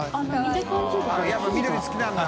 やっぱ緑好きなんだ。